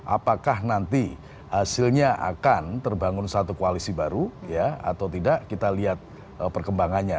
apakah nanti hasilnya akan terbangun satu koalisi baru atau tidak kita lihat perkembangannya